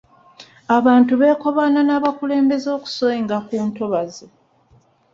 Abantu beekobaana n'abakulembeze okusenga mu ntobazzi.